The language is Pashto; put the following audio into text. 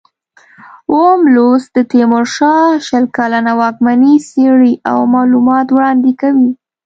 اووم لوست د تیمورشاه شل کلنه واکمني څېړي او معلومات وړاندې کوي.